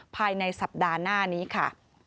ภายในสัปดาห์หน้านี้ค่ะ